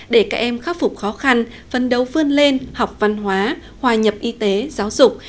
để các em khắc phục khó khăn phân đấu vươn lên học văn hóa hòa nhập y tế giáo dục